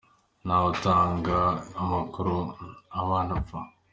Nta we utanga amakuru abantu bapfa.